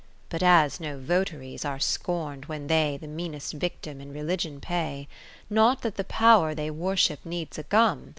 But as no votaries are scorn'd when they The meanest victim in Religion pay; Not that the Pow'r they worship needs a gum.